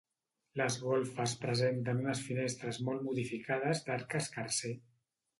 Les golfes presenten unes finestres molt modificades d'arc escarser.